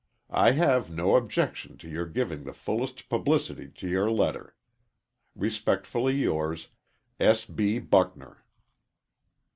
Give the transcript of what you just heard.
I have no objection to your giving the fullest publicity to your letter. Respectfully yours, S. B. BUCKNER.